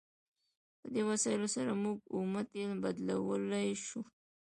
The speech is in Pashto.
په دې وسایلو سره موږ اومه تیل بدلولی شو.